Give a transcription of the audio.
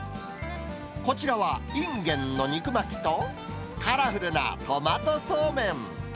こちらは、インゲンの肉巻きと、カラフルなトマトそうめん。